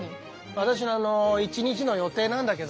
私の１日の予定なんだけども。